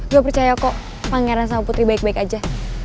gue percaya kok pangeran sama putri baik baik aja